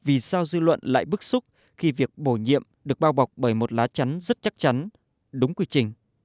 vì sao dư luận lại bức xúc khi việc bổ nhiệm được bao bọc bởi một lá chắn rất chắc chắn đúng quy trình